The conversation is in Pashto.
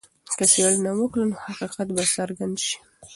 که څېړنه وکړو نو حقیقت به څرګند سي.